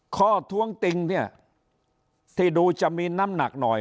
ท้วงติงเนี่ยที่ดูจะมีน้ำหนักหน่อย